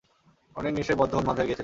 উনি নিশ্চয়ই বদ্ধ উন্মাদ হয়ে গিয়েছিলেন।